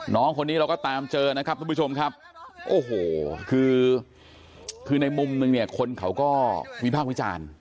น้องคนนี้เราก็ตามเจอนะครับคุณผู้ชมโอ้โหคือในมุมนึงคนเขาก็วิภาควิจารณ์